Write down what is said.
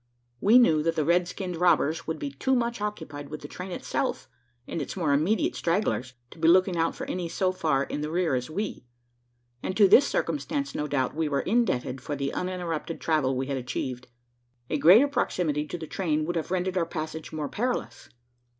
We knew that the red skinned robbers would be too much occupied with the train itself and its more immediate stragglers, to be looking out for any so far in the rear as we; and to this circumstance, no doubt, were we indebted for the uninterrupted travel we had achieved. A greater proximity to the train would have rendered our passage more perilous.